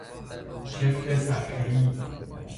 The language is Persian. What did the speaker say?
چفت صفحهای